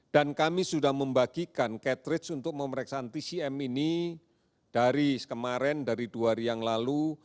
dan kami sudah membagikan cartridge untuk pemeriksaan tcm ini dari kemarin dari dua hari yang lalu